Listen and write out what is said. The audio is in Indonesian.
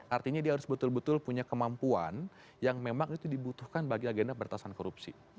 artinya dia harus betul betul punya kemampuan yang memang itu dibutuhkan bagi agenda beratasan korupsi